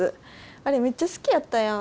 あれめっちゃ好きやったやん。